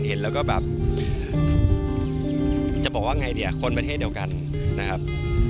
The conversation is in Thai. เห็นแล้วก็แบบจะบอกว่าไงเนี่ยคนประเทศเดียวกันนะครับ